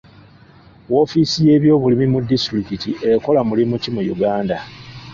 Woofiisi y'ebyobulimi mu disitulikiti ekola mulimu ki mu Uganda?